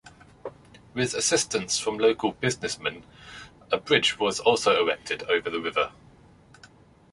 With assistance from local business men a bridge was also erected over the river.